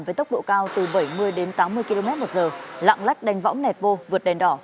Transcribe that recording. với tốc độ cao từ bảy mươi đến tám mươi km một giờ lạng lách đánh võng nẹt bô vượt đèn đỏ